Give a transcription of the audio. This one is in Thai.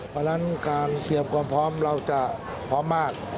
เพราะฉะนั้นการเตรียมความพร้อมเราจะพร้อมมาก